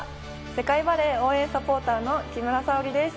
世界バレー応援サポーターの木村沙織です。